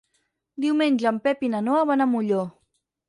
Diumenge en Pep i na Noa van a Molló.